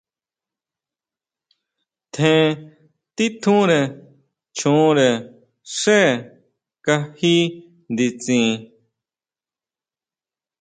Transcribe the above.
Tjen titjúnre choónre xé kají nditsin.